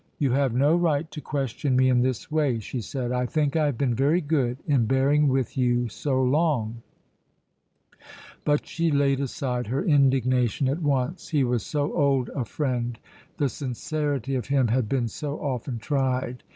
"You have no right to question me in this way," she said. "I think I have been very good in bearing with you so long." But she laid aside her indignation at once; he was so old a friend, the sincerity of him had been so often tried.